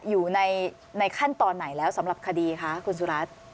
อยู่ในขั้นตอนไหนแล้วสำหรับคดีคะคุณสุรัตน์